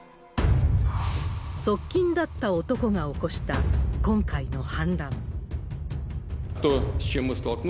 側近だった男が起こした今回の反乱。